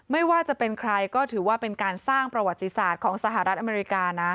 ไม่ว่าจะเป็นใครก็ถือว่าเป็นการสร้างประวัติศาสตร์ของสหรัฐอเมริกานะ